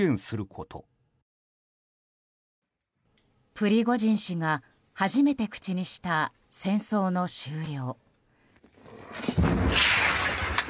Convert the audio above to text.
プリゴジン氏が初めて口にした戦争の終了。